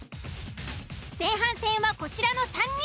前半戦はこちらの３人。